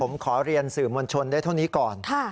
ผมขอเรียนสื่อมวลชนได้เท่านี้ก่อน